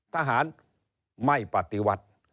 ทหารไม่ปฏิวัติ